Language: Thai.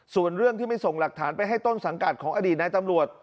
ส่วนเรื่องที่ไม่ส่งหลักฐานไปให้ต้นสังกัดของอดีตนายตำรวจ